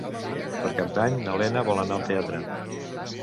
Per Cap d'Any na Lena vol anar al teatre.